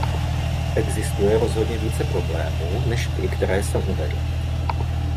Existuje rozhodně více problémů, než ty, které jsem uvedl.